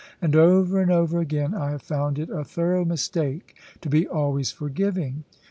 And over and over again I have found it a thorough mistake to be always forgiving.